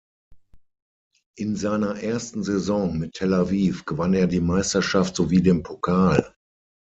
In seiner ersten Saison mit Tel Aviv gewann er die Meisterschaft sowie den Pokal.